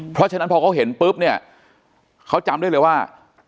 เพราะฉะนั้นพอเขาเห็นปุ๊บเนี่ยเขาจำได้เลยว่า